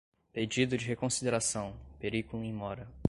pedido de reconsideração, periculum in mora